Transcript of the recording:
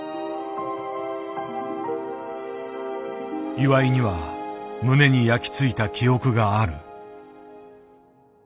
岩井には胸に焼き付いた記憶がある。